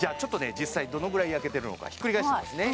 実際どのぐらい焼けてるのかひっくり返してみますね